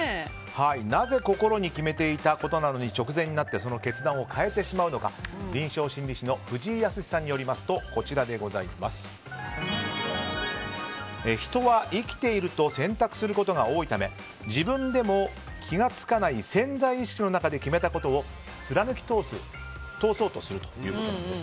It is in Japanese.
なぜ心に決めていたことなのに直前になってその決断を変えてしまうのか臨床心理士の藤井靖さんによりますと人は生きていると選択することが多いため自分でも気が付かない潜在意識の中で決めたことを貫き通そうとするということなんです。